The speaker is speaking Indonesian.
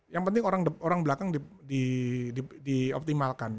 yang penting orang belakang dioptimalkan